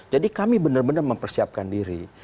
jadi kami benar benar mempersiapkan diri